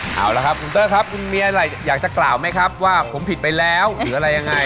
เอาละครับคุณเตอร์ครับคุณมีอะไรอยากจะกล่าวไหมครับว่าผมผิดไปแล้วหรืออะไรยังไง